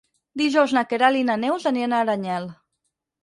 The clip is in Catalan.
Dijous na Queralt i na Neus aniran a Aranyel.